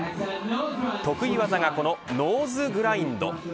得意技がこのノーズグラインド。